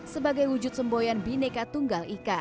sebagai wujud semboyan bineka tunggal ika